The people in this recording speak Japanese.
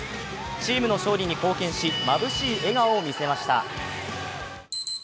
チームの勝利に貢献し、まぶしい笑顔を見せました。